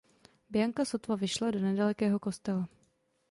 Bianca sotva vyšla do nedalekého kostela.